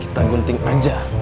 bangun ting aja